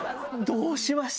どうしました？」